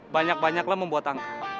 banyak banyaklah membuat angka